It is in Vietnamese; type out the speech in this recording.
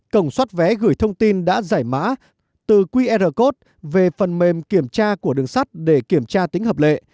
cổng xoát vé gửi thông tin đã giải mã từ qr code về phần mềm kiểm tra của đường sắt để kiểm tra tính hợp lệ